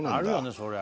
そりゃ